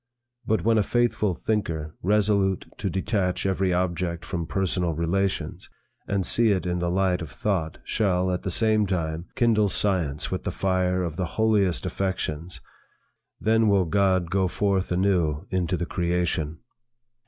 But when a faithful thinker, resolute to detach every object from personal relations, and see it in the light of thought, shall, at the same time, kindle science with the fire of the holiest affections, then will God go forth anew into the creation.